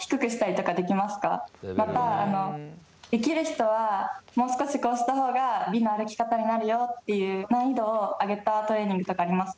またできる人はもう少しこうした方が美の歩き方になるよっていう難易度を上げたトレーニングとかありますか？